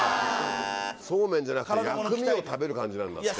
そうめんじゃなくて薬味を食べる感じなんだって。